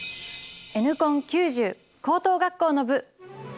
「Ｎコン９０」高等学校の部。